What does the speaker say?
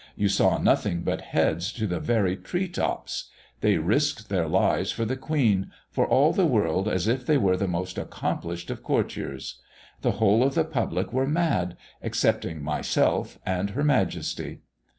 You saw nothing but heads to the very tree tops. They risked their lives for the Queen, for all the world as if they were the most accomplished of courtiers. The whole of the public were mad, excepting myself and her Majesty."